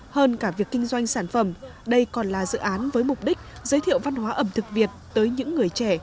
hơn cả việc kinh doanh sản phẩm đây còn là dự án với mục đích giới thiệu văn hóa ẩm thực việt tới những người trẻ